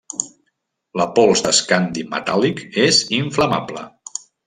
La pols d'escandi metàl·lic és inflamable.